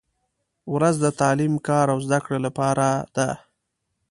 • ورځ د تعلیم، کار او زدهکړې لپاره ده.